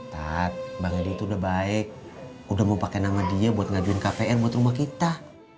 tati bang edi tuh udah baik udah mau pake nama dia buat ngajuin kpr buat rumah kita